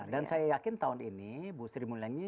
dan saya yakin tahun ini bu sri mulyangi